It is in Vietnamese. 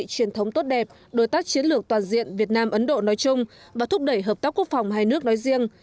truyền thống tốt đẹp đối tác chiến lược toàn diện việt nam ấn độ nói chung và thúc đẩy hợp tác quốc phòng hai nước nói riêng